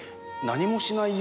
何もしない？